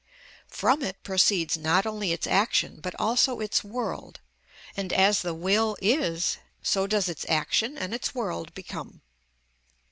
From it proceeds not only its action, but also its world; and as the will is, so does its action and its world become.